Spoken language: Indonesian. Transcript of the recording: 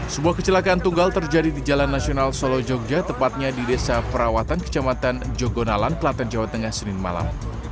sebuah kecelakaan tunggal terjadi di jalan nasional solo jogja tepatnya di desa perawatan kecamatan jogonalan kelaten jawa tengah senin malam